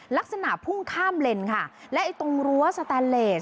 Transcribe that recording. ลักษณะพุ่งข้ามเลนค่ะและไอ้ตรงรั้วสแตนเลส